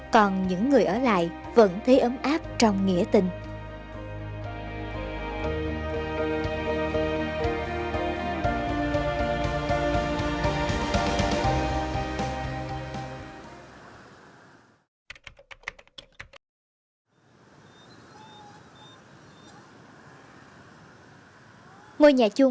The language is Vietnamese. còn những người ở lại vẫn thấy ấm áp trong nghĩa tình